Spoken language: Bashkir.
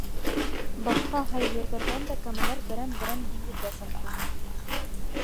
Башҡа һай ерҙәрҙән дә кәмәләр берәм-берәм диңгеҙгә сыҡты.